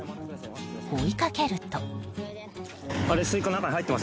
追いかけると。